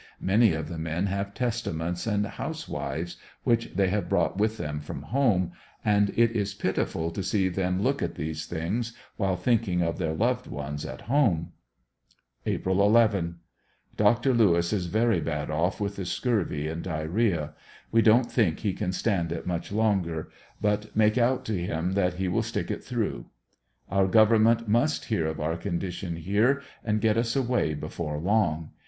Many of the men have testaments, and ''house wives" which they have brought with them from home, and it is pitiful to see them look at these things while thinking of their loved ones at home. April 11. — Dr Lewis is very bad off with the scurvy and diar rhea. We don't think he can stand it much longer, but make out to him that he will stick it through. Our government must hear of our condition here and get us away before long.